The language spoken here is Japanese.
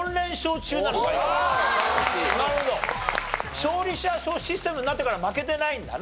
勝利者賞システムになってから負けてないんだな。